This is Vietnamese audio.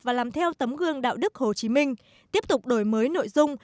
và làm theo tấm gương đạo đức hồ chí minh tiếp tục đổi mới nội dung